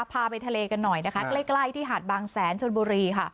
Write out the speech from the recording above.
พาไปทะเลกันหน่อยนะคะใกล้ที่หาดบางแสนชนบุรีค่ะ